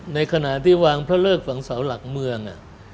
ในขณะที่วางพระเลิกฝังเสาหลักเมือง